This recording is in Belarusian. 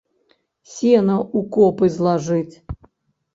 Сена ў копы злажыць!